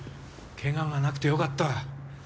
ケガがなくてよかった。